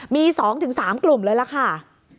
มี๒๓กลุ่มเลยล่ะค่ะ